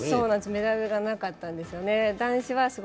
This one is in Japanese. メダルがなかったんですよね。